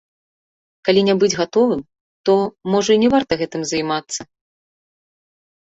Калі не быць гатовым, то, можа, і не варта гэтым займацца.